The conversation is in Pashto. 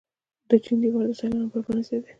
د چین دیوار د سیلانیانو لپاره پرانیستی دی.